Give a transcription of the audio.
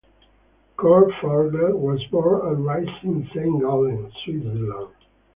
Kurt Furgler was born and raised in Saint Gallen, Switzerland.